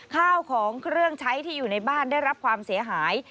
ข้าวของเครื่องใช้ที่อยู่ในบ้านได้รับความเสียหาย